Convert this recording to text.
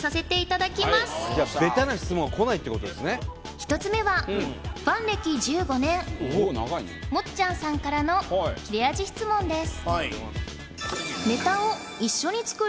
１つ目はファン歴１５年もっちゃんさんからの切れ味質問です